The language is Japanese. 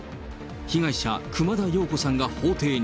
被害者、熊田曜子さんが法廷に。